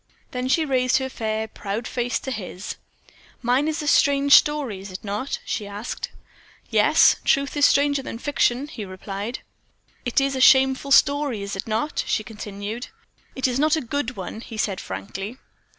Then she raised her fair, proud face to his. "Mine is a strange story, is it not?" she asked. "Yes truth is stranger than fiction," he replied. "And it is a shameful story, is it not?" she continued. "It is not a good one," he said, frankly.